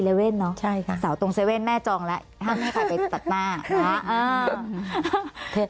ใช่ค่ะเสาตรง๗๑๑แม่จองแล้วห้ามให้ใครไปตัดหน้าเนาะอ่า